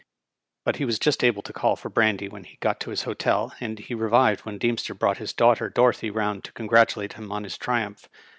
But he was just able to call for brandy when he got to his hotel, and he revived when Deemster brought his daughter Dorothy round to congratulate him on his tri umph.